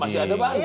masih ada banding